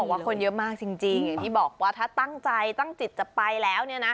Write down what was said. เขาบอกว่าคนเยอะมากจริงพี่บอกว่าถ้าตั้งใจตั้งจิตจะไปแล้ว